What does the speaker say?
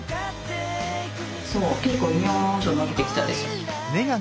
そう結構にょんと伸びてきたでしょ。